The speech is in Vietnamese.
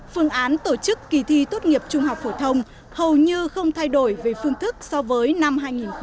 phương án tổ chức kỳ thi tốt nghiệp trung học phổ thông hầu như không thay đổi về phương thức so với năm hai nghìn một mươi chín